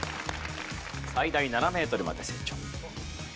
最大７メートルまで成長。